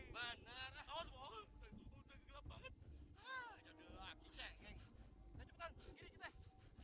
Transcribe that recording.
sasaran yang empuk aku nebak